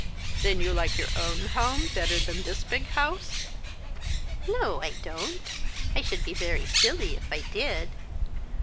" Then you like your own home better than this big house ?"" No, I don't. I should l^e very silly if I did.